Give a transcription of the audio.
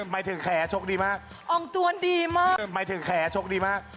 มาถึงแขวนของยให้ชกดีมาก